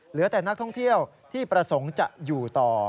เหลือแต่นักท่องเที่ยวที่ประสงค์จะอยู่ต่อ